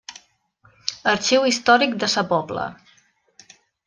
Arxiu Històric de Sa Pobla.